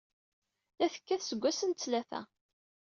La tekkat seg wass n ttlata.